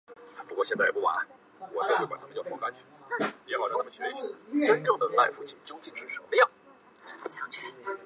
但此后该财阀仍以三菱集团的形式得以延续。